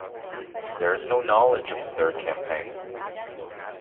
There is no knowledge of the Third Campaign.